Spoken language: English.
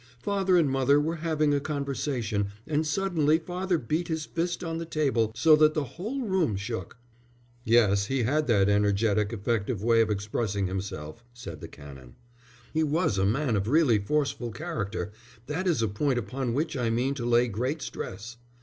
"Father and mother were having a conversation, and suddenly father beat his fist on the table so that the whole room shook." "Yes, he had that energetic, effective way of expressing himself," said the Canon. "He was a man of really forceful character. That is a point upon which I mean to lay great stress."